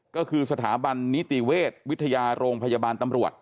ก็คือสถาบันนิติเวชวิทยาโรงพยาบาลตำรวจ